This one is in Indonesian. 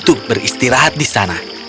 untuk beristirahat di sana